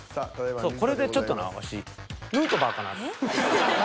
［そうこれでちょっとなワシヌートバーかなと思った］